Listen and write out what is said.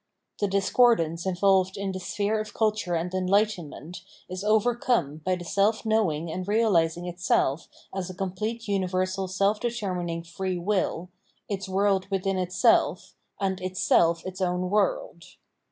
The discordance in %'olved in the sphere of culture and enlightenment is overcome by the self knowing and realising itself as a completely universal self determin ing free wrill, its world within itself, and its self its own world.